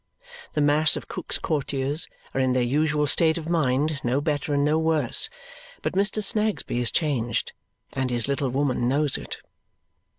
The mass of Cook's Courtiers are in their usual state of mind, no better and no worse; but Mr. Snagsby is changed, and his little woman knows it.